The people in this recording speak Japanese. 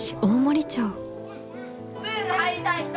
プール入りたい人？